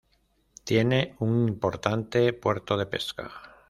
Tiene un importante puerto de pesca.